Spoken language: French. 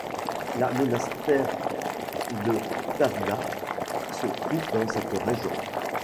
La Monastère de Tavna se trouve dans cette région.